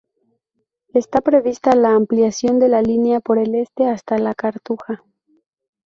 Está prevista la ampliación de la línea por el este hasta La Cartuja.